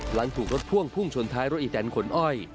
หลังถูกรถพ่วงพุ่งชนท้ายรถอีแตนขนอ้อย